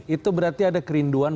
itu berarti ada kerinduan